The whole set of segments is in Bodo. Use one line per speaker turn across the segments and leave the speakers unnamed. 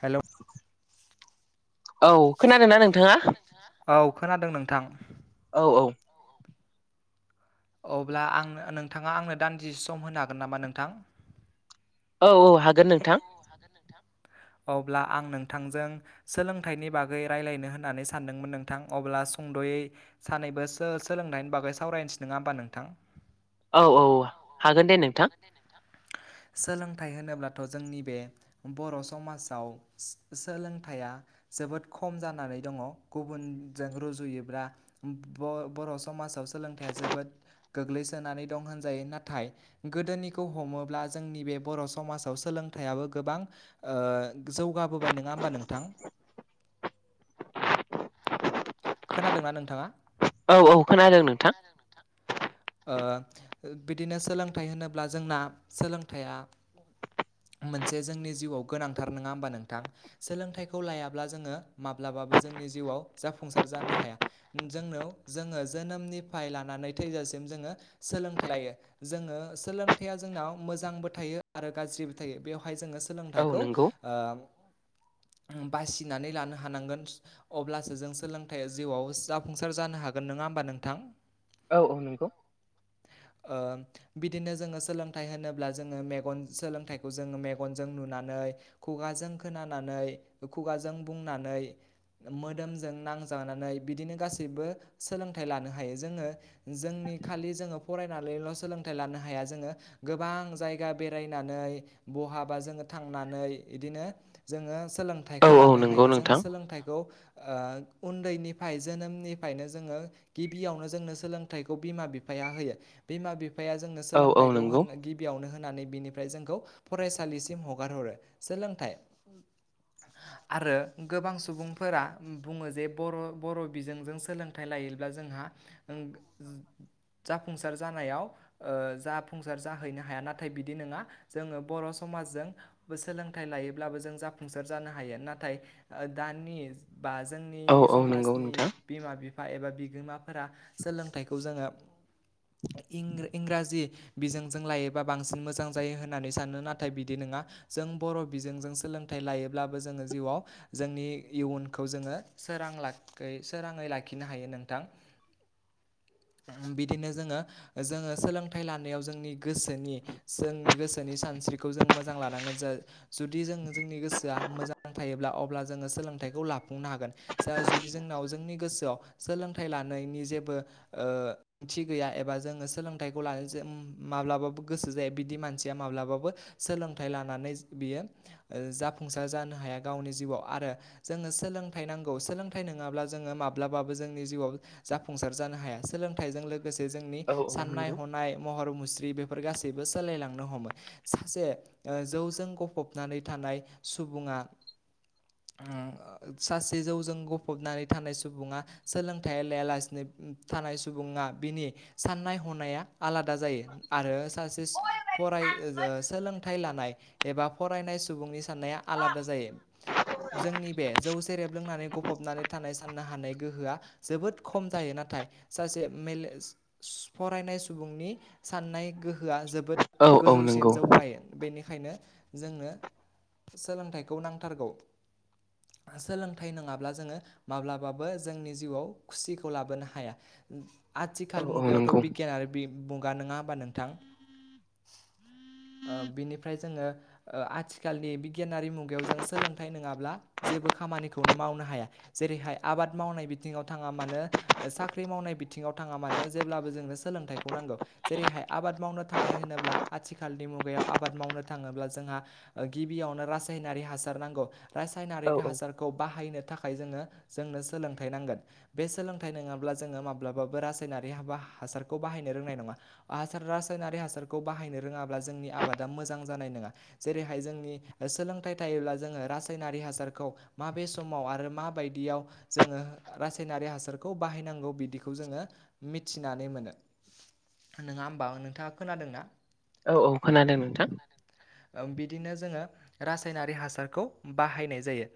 हेल'
औ खोनादों ना [unintelligible]
औ खोनादों नोंथां? औ खोनादों नोंथां।
औ औ।
अब्ला आंनो नोंथाङा आंनो दानदिसे सम होनो हागोन नामा नोंथां?
औ औ हागोन नोंथां।
अब्ला आं नोंथांजों सोलोंथाइनि बागै रायलायनो होननानै सानदोंमोन नोंथां अब्ला सुंद'यै सानैबो सोलों- सोलोंनायनि बागै सावरायनोसै नङा होमबा नोंथां?
औ औ हागोन दे नोंथां।
सोलोंथाइ होनोब्लाथ' जोंनि बे बर' समाजाव सोलों- सोलोंथाइया जोबोद खम जानानै दङ गुबुनजों रुजुयोब्ला बर' बर' समाज समाजाव सोलोंथाइया जोबोद गोग्लैसोनानै दं होनजायो। नाथाय गोदोनिखौ हमोब्ला जोंनि बे बर' समाजाव सोलोंथाइयाबो गोबां ओ जौगाबोबाय नङा होमबा नोंथां? [unintelligible] खोनादोंना नोंथाङा?
औ औ खोनादों नोंथां।
ओ बिदिनो सोलोंथाइ होनोब्ला जोंना सोलोंथाइया मोनसे जोंनि जिउआव गोनांथार नङा होमबा नोंथां सोलोंथाइखौ लायाब्ला जोङो माब्ला जोंनि जिउआव जाफुंसार जानो हाया। जोंनो जोङो जोनोमनिफ्राय लानानै थैजासिम जोङो सोलोंथाय लायो। जोङो सोलोंथाइया जोंनाव मोजांबो थायो आरो गाज्रिबो थायो। बेवहाय जोङो
औ
सोलोंथाइखौ
नंगौ
ओ बासिनानै लानो हानांगोन अब्लासो जों सोलोंथाइया जिउआव जाफुंसार जानो हागोन [unintelligible] नङा होमबा नोंथां?
औ औ नंगौ।
ओ बिदिनो जोङो सोलोंथाइ होनोब्ला जोङो मेगन सोलोंथाइखौ जोङो मेगनजों नुनानै खुगा खोमाजों खोनानानै खुगाजों बुंनानै मोदोमजों नांजानानै बिदिनो गासैबो सोलोंथाइ लानो हायो जोङो जोंनि खालि जोङो फरायनानैल' सोलोंथाइ लानो हाया जोङो गोबां जायगा बेरायनानै बहाबा जोङो थांनानै बिदिनो जोङो
औ
सोलोंथाइखौ
औ
लानो
नंगौ
हायो जों
नोंथां
सोलोंथाइखौ ओ उनदैनिफ्राय जोनोमनिफ्रायनो जोङो गिबियावनो जोंनो सोलों बिमा बिफाया होयो बिमा बिफाया जोंनो
औ औ
सोलोंथायखौ
नंगौ
गिबियावनो होनानै बिनि फ्राय जोंखौ फरायसालिसिम हगार हरो सोलोंथाइ आरो गोबां सुबुंफोरा बुङो जे बर' बर' बिजोंजों सोलोंथाइ लायो ब्ला जोंहा ओम ओम जाफुंसार जानायाव जाफुंसार जाहैनो हाया नाथाय बिदि नङा जोङो बर' समाव समाजजोंबो सोलोंथाइ लायोब्लाबो जों जाफुंसार जानो हायो नाथाय दानि बा जोंनि
औ औ नंगौ
समाजनि
नोंथां
बिमा बिफा एबा बिगोमाफोरा सोलों थायखौ जोङो इं इंराजि बिजोंजों लायोबा बांसिन मोजां जायो होननानै सानो नाथाय बिदि नङा जों बर' बिजोंजों सोलोंथाइ लायोब्लाबो जोङो जिउआव जोंनि इयुनखौ जोङो सोरां लाख सोराङै लाखिनो हायो नोंथां बिदिनो जोङो जोङो सोलोंथाइ लानायाव जोंनि गोसोनि जोंनि गोसोनि सान स्रिखौ जों मोजां लानांगोन ज जुदि जों जोंनि गोसोआ मोजां थायोब्ला अब्ला जोङो सोलोंथाइखौ लाफुंनो हागोन जुदि जोंनाव जोंनि गोसोआव सोलोंथाइ लानायनि जेबो ओ ओंथि गैया एबा जोङो सोलोंथाइखौ लानाय ज माब्लाबाबो गोसो जायो बिदि मानसिया माब्लाबाबो सोलोंथाइ लानानै बियो जाफुंसार जानो हाया गावनि जिउआव आरो जोङो सोलोंथाइ नांगौ सोलोंथाइ नङाब्ला जोङो माब्लाबाबो जोंनि जिउआव जाफुंसार जानो हाया सोलोंथाइजों लोगोसे जोंनि
औ औ
साननाय
नंगौ
हनाय महर मुस्रि बे फोर गासैबो सोलायलांनो हमो सासे जौजों गफबनानै थानाय सुबुंआ बा सासे जौजों गफबनानै थानाय सुबुङा सोलोंथाइ लायालासिनो थानाय सुबुङा बिनि साननाय हनाया आलादा जायो आरो सासे फराय सोलोंथाइ लानाय एबा फरायनाय सुबुंनि साननाया आलादा जायो जोंनि बे जौ जेरेब लोंनानै गफबनानै थानाय साननो हानाय गोहोआ जोबोद खम जायो नाथाय सासे फरायनाय सुबुंनि साननाय गोहोआ जबो जोबोद
औ औ
गोजौसिम
नंगौ
जौ गायो बेनिखायनो बेखायनो जोंनो सोलोंथाइखौ नांथारगौ सोलोंथाइ नङाब्ला जोङो माब्लाबाबो जोंनि जिउआव खुसिखौ लाबोनो हाया
औ
आथिखाल
औ नंगौ
मुगायावथ' बिगियान आरो मुगा नङा होमबा नोंथां [inaudible] ओ बिनिफ्राय जोङो आथिखालनि बिगियानारि मुगायाव जों सोलोंथाइ नङाब्ला जेबो खामानिखौनो मावनो हाया जेरैहाय आबाद मावनाय बिथिङाव थाङा मानो साख्रि मावनाय बिथिङाव थाङा मानो जेब्लाबो जोंनो सोलोंथाइखौ नांगौ जेरैहाय आबाद मावनो थांनाय होनोब्ला आथिखाल बे मुगायाव आबाद मावनो थाङोब्ला जोंहा गिबियावनो रासायनारि हासार नांगौ रासायनारि
औ औ
हासारखौ बाहायनो थाखाय जोङो जोंनो सोलोंथाइ नांगोन बे सोलोंथाइ नङाब्ला जोङो माबा ब्लाबाबो रासायनारि हासार बायनो रोंनाय नङा हासार रासायनारि हासारखौ बाहायनो रोङाब्ला जोंनि आबादा मोजां जानाय नङा जेरैहाय जोंनि सोलोंथाइ थायोब्ला जोङो रासायनारि हासारखौ माबे समाव आरो माबायदियाव जोङो रासायनारि हासारखौ बाहायनांगौ बिदिखौ खौ जोङो मिथिनानै मोनो नङा होमबा नोंथाङा खोनादोंना
औ औ खोनादों नोंथां
बिदिनो जोङो रासायनारि हासारखौ बाहायनाय जायो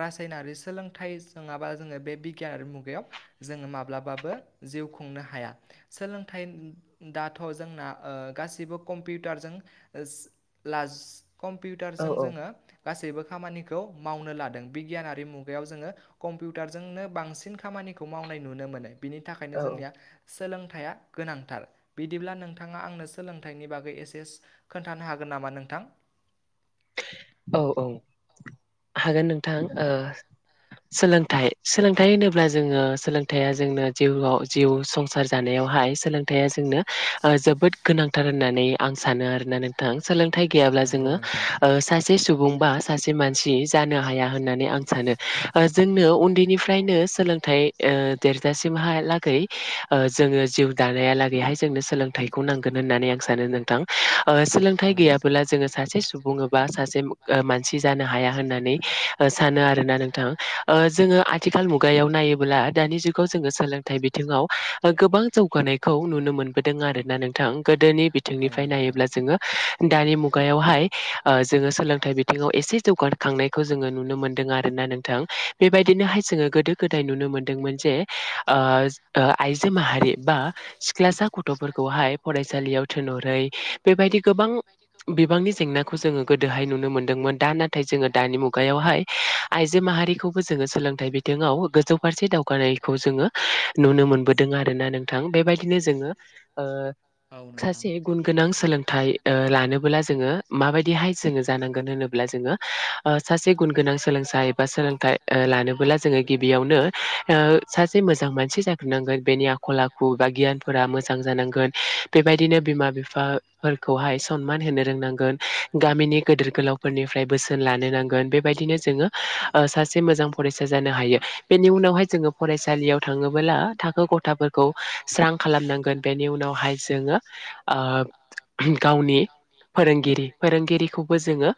रासायनारि सोलोंथाइ नङाबा जोङो बे बिगियानारि मुगायाव जोङो माब्लाबाबो जिउ खुंनो हाया सोलोंथाइ दाथ' जोंना गासिबो कम्पिउटारजों ओस लास
औ
कम्पिउटारजों जोङो गासैबो खामानिखौ मावनो लादों बिगियानारि मुगायाव जोङो कम्पिउटारजोंनो बांसिन खामानि [unintelligible] मावनाय नुनो मोनो बिनि थाखायनो
औ
जोंनिया सोलोंथाइया गोनांथार बिदिब्ला नोंथाङा आंनो सोलोंथाइनि बागै एसेस खोन्थानो हागोन नामा नोंथां?
औ औ हागोन नोंथां ओ सोलों थाइ सोलोंथाइ होनोब्ला जोङो सोलोंथाइया जोंनो जिउआव जिउ संसार जानायावहाय सोलोंथाइया जोंनो जोबोद गोनांथार होननानै आं सानो आरोना नोंथां सोलोंथाइ गैयाब्ला
नंगौ
जोङो
नोंथां
ओ सा सुबुंबा सासे मानसि जानो हाया होननानै आं सानो ओ जोंनो उन्दैनिफ्रायनो सों सोलोंथाइ ओ देरजासिमहालागै ओ जोङो जिउ दानायालागैहाय जोंनो सोलोंथाइ खौ नांगोन होननानै आं सानो नोंथां ओ
औ
सोलोंथाइ
नोंथां
गैयाबला जोङो सासे सुबुं एबा सासे ओ मानसि जानो हाया होननानै ओ सानो आरोना नोंथां जोङो आथिखाल मुगायाव ना नायोब्ला दानि जुगाव जोङो सोलोंथाइ बिथिङाव ओ गोबां जौगानायखौ नुनो मोनबोदों आरोना नोंथां गोदोनि
औ
बिंनिफ्राय
नोंथां
नायोब्ला जोङो दानि मुगायावहाय ओ जोङो सोलोंथाइ बिथिङाव एसे जौगाखांनायखौ जोङो नुनो मोन्दों आरोना नोंथां बेबायदिनोहाय जोङो गोदो गोदाय नुनो मोनदोंमोन जे ओ आइजो माहारि बा सिख्लासा गथ' गथ'फोरखौहाय फरायसालियाव थोनहरै बेबायदि गोबां बिबांनि जेंना गोदोहाय नुनो मोनदोंमोन दा नाथाय जोङो दानि मुगायावहाय आइजो माहारिखौबो जोङो सोलोंथाइ बिथ बिथिंआव गोजौ फारसे दावगानायखौ जोङो नुनो मोनबोदों आरोना नोंथां बेबायदिनो जोङो ओ
औ नोंथां
सासे गुन गोनां सोलोंथाइ ओ लानोबोला जोङो माबायदिहाय जांगोन होनोब्ला जोङो ओ सासे गुन गोनां सोलोंसा एबा सोलोंथाइ लानोबोला जोङो गिबियावनो ओ सासे मोजां मानसि जाग्रोनांगोन बेनि आखल आखु बा गियानफोरा मोजां जानांगोन बेबायदिनो बिमा बिफा फोरखौहाय सनमान होनो रोंनांगोन। गामिनि गेदिर गोलावफोरनिफ्राय बोसोन लानो नांगोन बेबायदिनो जोङो ओ सासे मोजां फरायसा जानो हायो बेनि उनावहाय जोङो फरायसालियाव थाङोबोला थाखो गथाफोरखौ स्रां खालामनो नांगोन बेनि उनावहाय जोङो ओ गावनि फोरोंगिरि फोरोंगिरिखौबो जोङो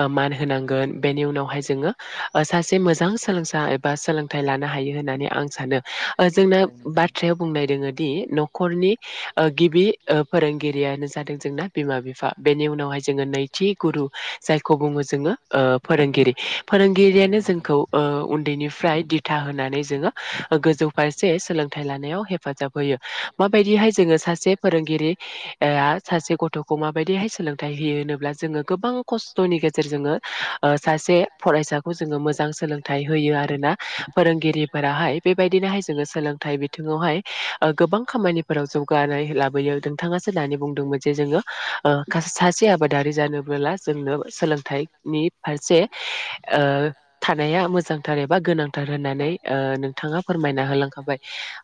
ओ मान होनांगोन बेनि उनावहाय जोङो ओ सासे मोजां सों सोलोंसा एबा सोलोंथाइ लानो हायो होननानै आं सानो जोंना
औ नोंथां
बाथ्रायाव बुंनाय दोङोदि न'खरनि ओ गिबि ओ फोरोंगिरियानो जादों जोंना बिमा बिफा बेनि उनावहाय जोङो नैथि गुरु जायखौ बुङो जोङो ओ फोरोंगिरि
औ
फोरोंगिरियानो
नोंथां
जोंखौ ओ उन्दैनिफ्राय दिथा होनानै जोङो गोजौ फारसे सोलोंथाइ लानायाव हेफाजाब होयो। माबायदिहाय जोङो सासे फोरोंगिरि ओ सासे गथ'खौ माबायदिहाय सोलों थाइ होयो होनोब्ला जोङो गोबां खस्थ'नि गेजेरजोंङो ओ सासे फरायसाखौ जोङो मोजां सोलोंथाइ होयो आरोना फोरोंगिरिफोराहाय बेबायदिनोहाय जोङो सोलोंथाइ बिथिङावहाय ओ गोबां खामानिफोराव जौगानाय लाबोयो नोंथाङासो दानि बुंदोंमोन जे जोङो ओ मासे आबादारि जानोबोला जोंनो सोलोंथाइनि फारसे थानाय [unintelligible] मोजांथार एबा गोनांथार होननानै ओ नोंथाङा फोरमायना होलांखाबाय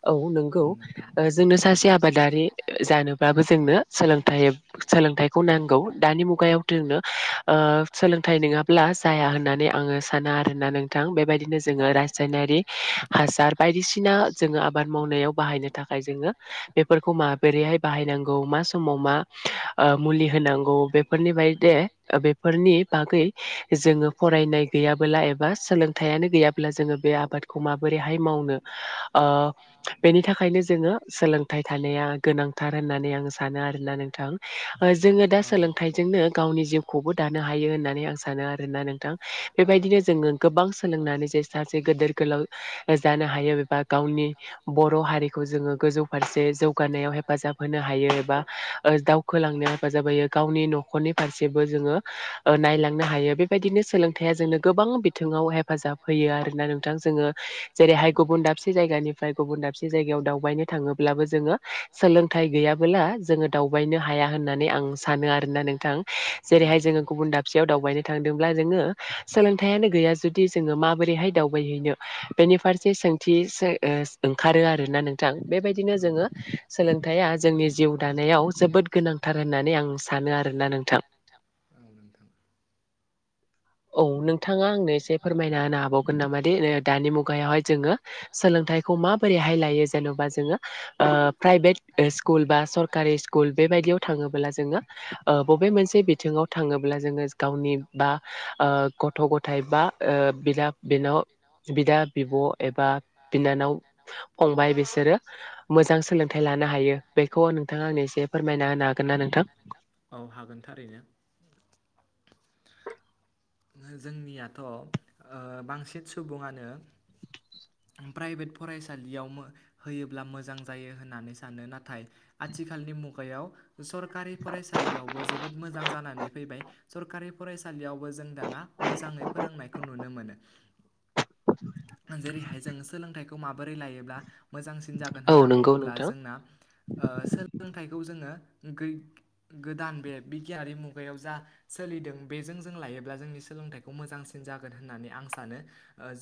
औ नोंगौ
नोंथां
ओ जोंनो सासे आबादारि जानोब्लाबो जोंनो सोलोंथाय सोलोंथाय नांगौ दानि मुगायाव जोंनो ओ सोलोंथाइ नङाब्ला जाया होननानै आङो सानो आरो ना नोंथां बेबायदिनो जोङो रासायनारि हासार बायदिसिना जोङो आबाद मावनायाव बाहाय [unintelligible] थाखाय जोंङो बेफोरखौ मा बोरैहाय बाहायनांगौ मा समाव मा ओ मुलि होनांगौ बेफोरनिबादे‌ बेफोरनि बागै जोंङो फरानाय गैयाबोला [unintelligible] एबा सोलोंथायानो गैयाब्ला जोङो बे आबादखौ माबोरैहाय मावनो ओ बेनि थाखायनो जोङो सोलोंथाइ थानाया गोनांथार होननानै आं सानो आरोना नोंथां जोङो दा सोलोंथाइजोंनो गावनि जिउखौबो दानो हायो होननानै आं सानो आरोना नोंथां बेबाय बिदिनो जोङो गोबां सोलोंनानै जे सासे गेदोर गोलाव जानो हायो एबा गावनि बर' हारिखौ जोङो गोजौ फारसे जौगानायाव हेफाजाब होनो हायो एबा ओ‌दावखोलांनो हेाजाब होयो गावनि न'खरनि फारसेबो जोङो ओ नायलांनो हायो बेबायदिनो सोलोंथाया जोंनो गो गोबां बिथिङाव हेफाजाब होयो आरोना नोंथां जोङो जेरैहाय गुबुन दाबसे जायगानिफ्राय गुबुन दाबसे जायगायाव दावबायनो थाङोब्लाबो जोङो सोलोंथाय गैयाबोला जोङो दावबायनो हाया होनना नै आं सानो आरोना नोंथां। जेरैहाय जोङो गुबुन दाबसेयाव दावबायनो थांदोंब्ला जोङो सोलों थाय आनो गैया जुदि जोङो माबोरैहाय दावबायहैनो बेनि फारसे सोंथि सो ओ ओंखारो आरोना नोंथां। बेबायदिनो जोङो सोलोंथाइया जोंनि जिउ दानायाव जोबोद गोनां होननानै आं सानो आरोना नोंथां। औ नोंथाङा आंनो एसे फोरमायना होनो हाबावगोन नामा दे दानि मुगायावहाय जोङो सोलोंथाइखौ माबोरैहाय‌ लायो जेनबा जोंङो प्रायभेत बा‌ सरखारि स्कुल बेबायदियाव थाङोब्ला जोंङो ओ बबे मोनसे बिथिङाव थाङोब्ला जोङो गावनि बा ओ गथ' गथाय बा बिदा बिनाव बिदा बिब' एबा बिनानाव, फंबाय बिसोरो मोजां सोलोंथाइ ला नो हायो बेखौ नोंथाङा आंनो एसे फोरमायना होनो हागोन ना नोंथां?
औ हागोन [inaudible] जोंनियाथ' ओ बांसिन सुबुङानो प्राइभेट फरायसालियाव मो होयोब्ला मोजां जायो होननानै सानो नाथाय आथिखालनि मुगायाव सरखारि फरायसालियावबो जोबोद मोजां जानानै फैबाय सरखारि फरायसालियावबो जों दाना मोजाङै फोरोंनायखौ नुनो मोनो जेरैहाय जों सोलोंथाइखौ माबोरै लायोब्ला मोजांसिन जागोन
औ
होनना
नंगौ
बुङोब्ला
नोंथां
जोंना ओ सोलोंथाय खौ जोङो गो-गोदान बे बिगियानारि मुगायाव जा सोलिदों बेजों जों लायो ब्ला जोंनि सोलोंथाइखौ मोजांसिन जागोन होननानै आं सानो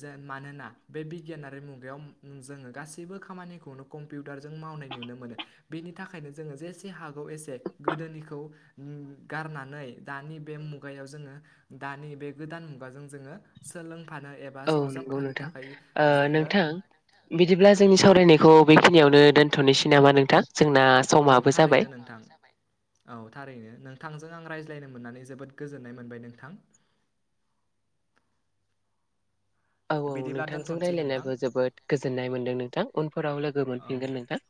जा ओ मानोना बे बिगियान आरो मुगा याव जोङो गासैबो खामानिखौनो कम्पिउटारजों मावनाय नुनो मोनो बेनि थाखायनो जोंङो जे हागौ एसे गोदोनिखौ उम गारनानै दानि बे मुगायाव जोङो दानि बे गोदान मुगाजों जोङो सोलों फानो एबा
औ नंगौ
सरजाबफानो
नोंथां
थाखाय
ओ
जोङो
नोंथां बिदिब्ला जोंनि सावरायनायखौ बेखिनियावनो दोनथ'नोसै नामा नोंथां जोंना
औ
समाबो जाबाय।
थारैनो नोंथां। औ थारैनो नोंथांजों आं रायज्लायनो मोननानै जोबोद गोजोननाय मोनबाय नोंथां।
औ औ
बिदिब्ला
नोंथांजों
दोनथ'नोसै नोंथां
रायज्लायनानैबो जोबोद गोजोननाय मोनदों नोंथां उनफोराव लोगो
औ
मोनफिनगोन नोंथां।